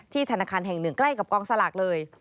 ธนาคารแห่งหนึ่งใกล้กับกองสลากเลย